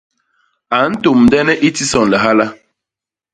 A ntômdene i tison lihala.